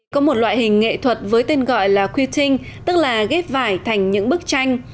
có một loại hình nghệ thuật với tên gọi là quilting tức là ghép vải thành những bức tranh